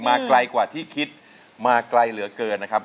ไกลกว่าที่คิดมาไกลเหลือเกินนะครับ